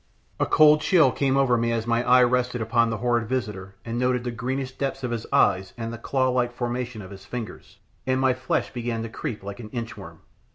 A cold chill came over me as my eye rested upon the horrid visitor and noted the greenish depths of his eyes and the claw like formation of his fingers, and my flesh began to creep like an inch worm.